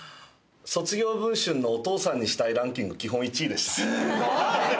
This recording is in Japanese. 卒業文集の「お父さんにしたいランキング」基本１位でした。